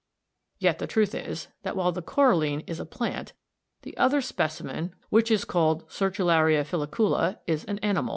Yet the truth is, that while the coralline (1, Fig. 66) is a plant, the other specimen (2) which is called Sertularia filicula, is an animal.